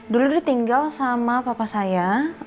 dulu dia tinggal sama papa saya